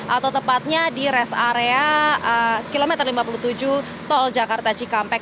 atau tepatnya di rest area kilometer lima puluh tujuh tol jakarta cikampek